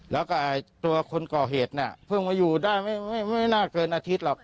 แล้วก็ตัวคนก่อเหตุเนี่ยเพิ่งมาอยู่ได้ไม่น่าเกินอาทิตย์หรอก